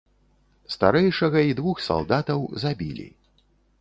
Старэйшага і двух салдатаў забілі.